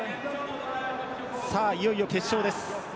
いよいよ決勝です。